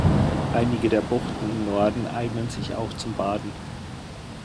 Einige der Buchten im Norden eignen sich auch zum Baden.